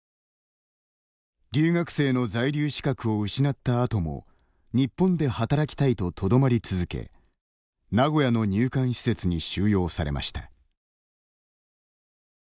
留学生の在留資格を失った後も日本で働きたいととどまり続け名古屋の入管施設に収容されました。